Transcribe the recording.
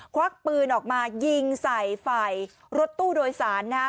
ควักปืนออกมายิงใส่ฝ่ายรถตู้โดยสารนะฮะ